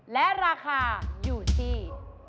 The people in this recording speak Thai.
และราคาอยู่ที่